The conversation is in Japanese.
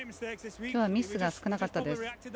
今日はミスが少なかったです。